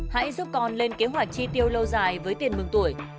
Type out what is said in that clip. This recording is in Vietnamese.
hãy giúp con lên kế hoạch chi tiêu lâu dài với tiền mừng tuổi